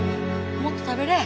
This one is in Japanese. もっと食べれ。